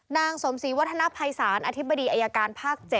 นางสมศรีวัฒนภัยศาลอธิบดีอายการภาค๗